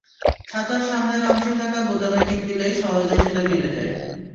ছাতার সামনের অংশে থাকা বোতামে টিপ দিলেই সহজে সেটা মেলে যায়।